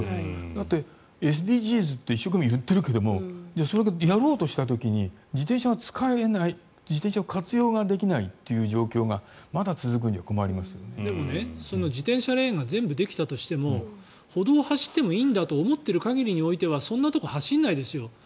だって、ＳＤＧｓって一生懸命言っているけどそれをやろうとした時に自転車が使えない、自転車を活用できないっていう状況がだけどその自転車レーンが全部できたとしても歩道を走ってもいいんだと思ってる限りにおいてはそんなところ走らないですよ。